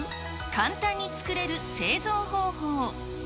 簡単に作れる製造方法。